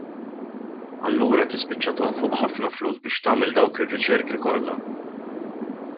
Allura tispiċċa tonfoq ħafna flus biex tagħmel dawk ir-riċerki kollha.